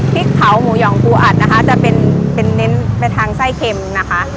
พริกเผาหมูหองปูอัดนะคะจะเป็นเน้นไปทางไส้เค็มนะคะ